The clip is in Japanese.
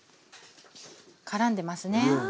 からんでますね。わ